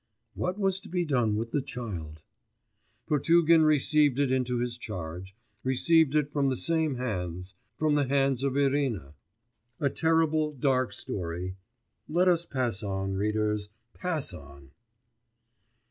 What was to be done with the child? Potugin received it into his charge, received it from the same hands, from the hands of Irina. A terrible dark story.... Let us pass on, readers, pass on!